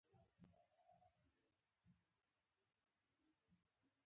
دا کار د قیمتونو د کچې د لوړوالي لامل کیږي.